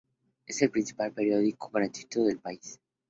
Es el principal periódico gratuito del país.